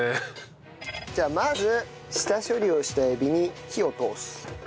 じゃあまず下処理をしたエビに火を通す。